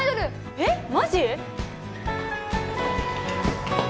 えっマジ！？